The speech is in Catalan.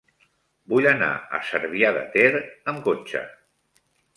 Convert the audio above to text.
Vull anar a Cervià de Ter amb cotxe.